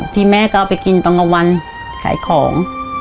ที่แม่ก็เอาไปกินตอนกลางวันขายของ